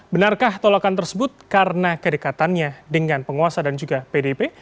benarkah tolokan tersebut karena kedekatannya dengan penguasa dan juga pdp